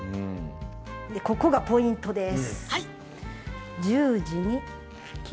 ここがポイントです。